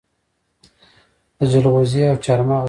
د جلغوزي او چارمغز کور.